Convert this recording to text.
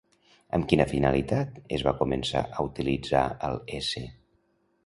Amb quina finalitat es va començar a utilitzar al s.